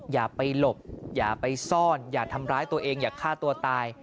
อย่าไปหลบอย่าไปซ่อนอย่าทำร้ายตัวเองอย่าฆ่าตัวตาย